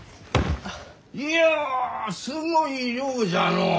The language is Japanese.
いやすごい量じゃのう！